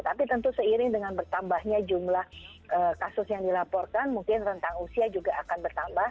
tapi tentu seiring dengan bertambahnya jumlah kasus yang dilaporkan mungkin rentang usia juga akan bertambah